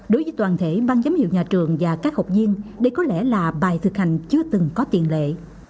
đối với toàn thể ban giám hiệu nhà trường và các học viên đây có lẽ là bài thực hành chưa từng có tiền lệ